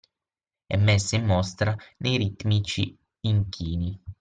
E messa in mostra nei ritmici inchini.